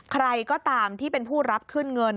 ใครก็ตามที่เป็นผู้รับขึ้นเงิน